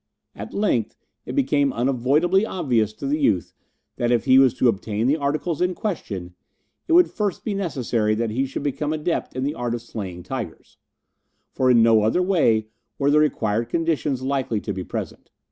At length it became unavoidably obvious to the youth that if he was to obtain the articles in question it would first be necessary that he should become adept in the art of slaying tigers, for in no other way were the required conditions likely to be present.